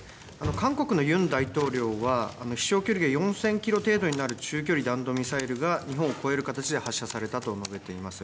韓国のユン大統領は、飛しょう距離が４０００キロ程度になる中距離弾道ミサイルが日本を越える形で発射されたと述べています。